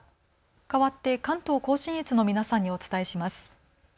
かわって関東甲信越の皆さんにお伝えします。